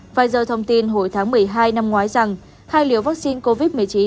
pfizer thông tin hồi tháng một mươi hai năm ngoái rằng hai liều vaccine covid một mươi chín